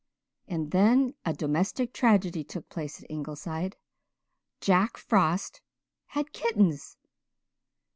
And then a domestic tragedy took place at Ingleside. Jack Frost had kittens!